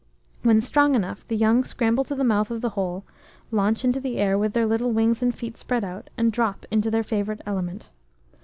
When strong enough, the young scramble to the mouth of the hole, launch into the air with their little wings and feet spread out, and drop into their favourite element.